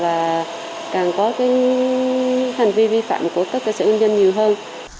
tất cả sẽ ưu dân nhiều hơn